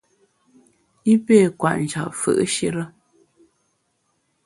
I pé kwet njap fù’shire.